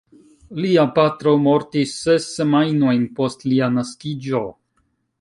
Lia patro mortis ses semajnojn post lia naskiĝo.